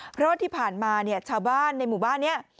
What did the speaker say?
เพราะว่าที่ผ่านมาเนี่ยชาวบ้านในหมู่บ้านนี้